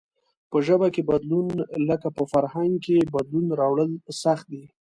په ژبه کې بدلون لکه په فرهنگ کې بدلون راوړل سخت دئ.